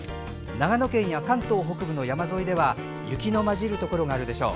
長野県や関東北部の山沿いでは雪の交じるところがあるでしょう。